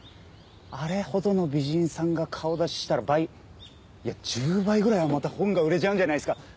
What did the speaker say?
あれほどの美人さんが顔出ししたら倍いや１０倍ぐらいはまた本が売れちゃうんじゃないですか？